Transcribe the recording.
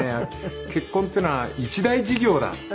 「結婚っていうのは一大事業だ」っていう。